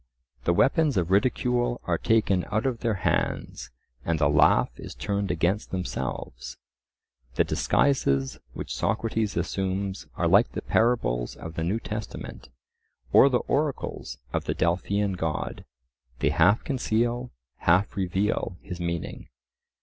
The weapons of ridicule are taken out of their hands and the laugh is turned against themselves. The disguises which Socrates assumes are like the parables of the New Testament, or the oracles of the Delphian God; they half conceal, half reveal, his meaning.